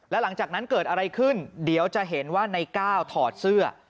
แล้วหลังจากนั้นเกิดอะไรขึ้นเดี๋ยวจะเห็นว่าในก้าวถอดเสื้อ